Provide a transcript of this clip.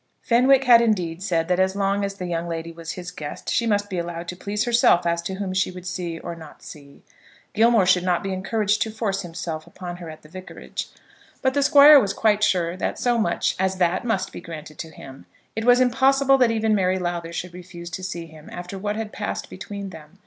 Fenwick had indeed said that as long as the young lady was his guest she must be allowed to please herself as to whom she would see or not see. Gilmore should not be encouraged to force himself upon her at the vicarage. But the Squire was quite sure that so much as that must be granted to him. It was impossible that even Mary Lowther should refuse to see him after what had passed between them.